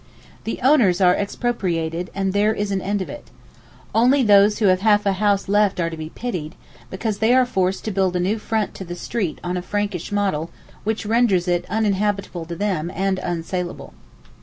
The owners are expropriated, and there is an end of it. Only those who have half a house left are to be pitied, because they are forced to build a new front to the street on a Frankish model which renders it uninhabitable to them and unsaleable.